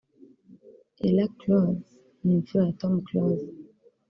Ella Close ni imfura ya Tom Close